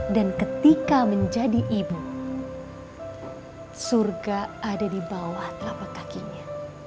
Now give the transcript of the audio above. dan ketika menjadi ibu surga ada di bawah telapak kakinya